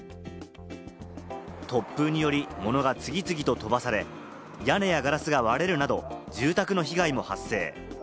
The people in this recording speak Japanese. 突風により物が次々と飛ばされ、屋根やガラスが割れるなど、住宅の被害も発生。